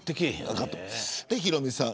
ヒロミさん